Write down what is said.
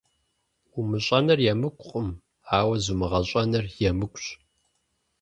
Умыщӏэныр емыкӏукъым, ауэ зумыгъэщӏэныр емыкӏущ.